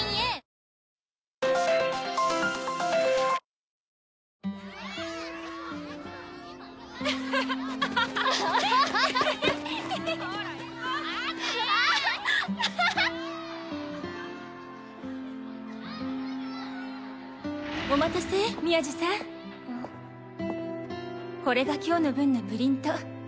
・（小学・お待たせ宮路さん（これが今日の分のプリント。